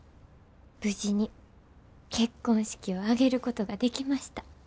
無事に結婚式を挙げることができました。